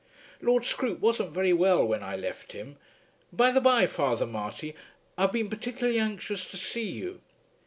"Lord Scroope wasn't very well when I left him. By the bye, Father Marty, I've been particularly anxious to see you."